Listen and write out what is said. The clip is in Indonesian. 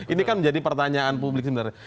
ini kan menjadi pertanyaan publik sebenarnya